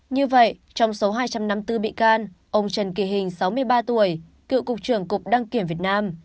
như vậy trong số hai trăm năm mươi bốn bị can ông trần kỳ hình sáu mươi ba tuổi cựu cục trưởng cục đăng kiểm việt nam